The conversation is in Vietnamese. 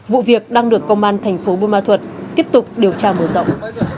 vụ việc đang được công an thành phố buôn ma thuật tiếp tục điều tra mở rộng